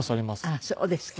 あっそうですか。